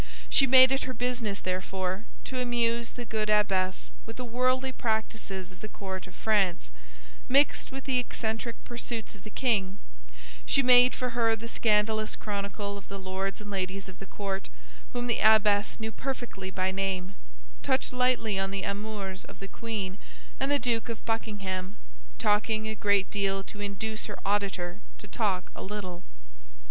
She made it her business, therefore, to amuse the good abbess with the worldly practices of the court of France, mixed with the eccentric pursuits of the king; she made for her the scandalous chronicle of the lords and ladies of the court, whom the abbess knew perfectly by name, touched lightly on the amours of the queen and the Duke of Buckingham, talking a great deal to induce her auditor to talk a little.